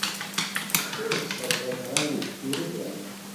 ترک سودا گران گیرو بیرانی